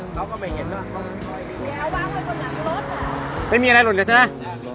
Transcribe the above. ขอบคุณมากขอบคุณมากขอบคุณมาก